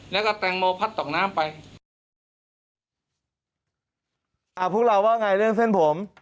แล้วก็แตงโมพัดตกน้ำไปอ่าพวกเราว่าไงเรื่องเส้นผม